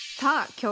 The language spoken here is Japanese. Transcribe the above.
今日